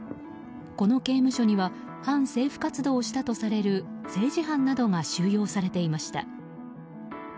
この刑務所には反政府活動をしたとされる政治犯などが収容されていました。